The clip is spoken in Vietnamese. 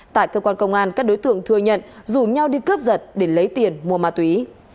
tại cơ quan công an các đối tượng thừa nhận rủ nhau đi cướp giật để lấy tiền mua ma túy